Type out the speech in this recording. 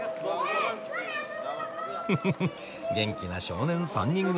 ふふふ元気な少年３人組。